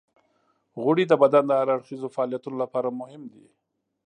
غوړې د بدن د هر اړخیزو فعالیتونو لپاره مهمې دي.